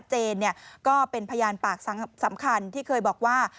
เจนก็เป็นพยานปากสำคัญที่เคยบอกว่า